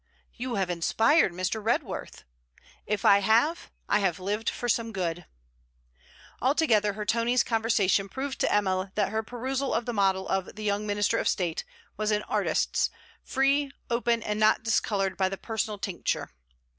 'You have inspired Mr. Redworth.' 'If I have, I have lived for some good.' Altogether her Tony's conversation proved to Emma that her perusal of the model of THE YOUNG MINISTER OF STATE was an artist's, free, open, and not discoloured by the personal tincture.